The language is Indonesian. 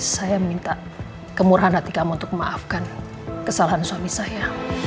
saya minta kemurahan hati kamu untuk memaafkan kesalahan suami saya